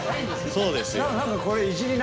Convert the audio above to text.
そうですよ。